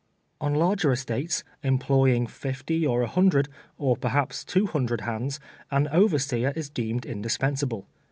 On larger estates, employing fifty or a hundred, or perhaps two hundred hands, an overseer is deemed indispensable.